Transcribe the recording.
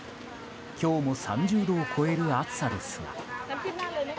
今日も３０度を超える暑さですが。